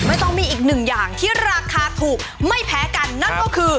ต้องมีอีกหนึ่งอย่างที่ราคาถูกไม่แพ้กันนั่นก็คือ